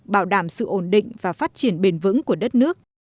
bảo đảm sự ổn định và phát triển bền vững của đất nước